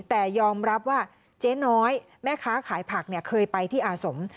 แต่ยอมรับว่าเจ๊น้อยแม่ค้าขายผักเคยไปที่อาสม